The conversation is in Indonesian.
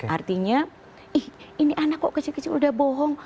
artinya ini anak kok kecil kecil sudah bohong